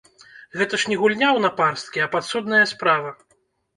Гэта ж не гульня ў напарсткі, а падсудная справа.